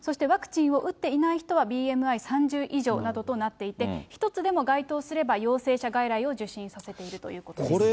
ワクチンを打っていない人で、ＢＭＩが３０以上などとなっていて、１つでも該当すれば陽性者外来を受診させているということです。